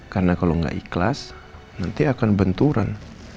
karena kalau nggak ikhlas nanti akan benturan